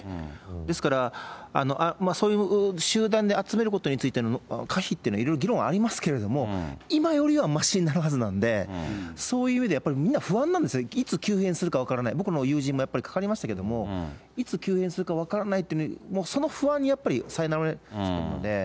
ですから、そういう集団で集めることについての可否というのは、いろいろ議論ありますけれども、今よりはましになるはずなんで、そういう意味でやっぱりみんなふあんなんですよいつ急変するか分からない、僕の友人もやっぱりかかりましたけれども、いつ急変するか分からないっていう、その不安にやっぱりさいなまれてるので。